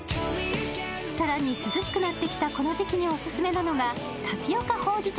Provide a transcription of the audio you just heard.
更に涼しくなってきたこの時期にオススメなのがタピオカほうじ茶